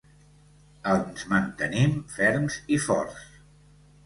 Ens mantenim ferms i forts.